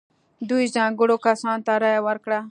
دوی ځانګړو کسانو ته رایه ورکړه.